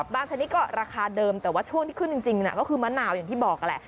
บางชนิดก็ราคาเดิมแต่ว่าช่วงที่ขึ้นจริงก็เมนาอย่างบอกละ